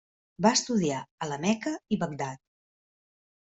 Va estudiar a la Meca i Bagdad.